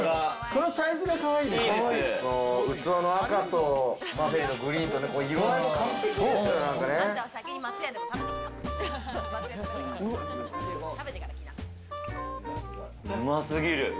このサイズがかわいいですよね。